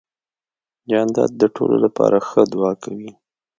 جانداد د ټولو لپاره ښه دعا کوي.